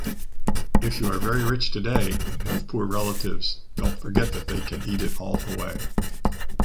If you are very rich today, and have poor relatives, don’t forget that they can eat it all away.